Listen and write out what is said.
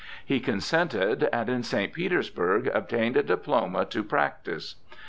He consented, and in St. Petersburg obtained a diploma to practise.